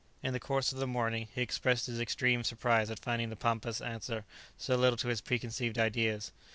In the course of the morning he expressed his extreme surprise at finding the pampas answer so little to his preconceived ideas.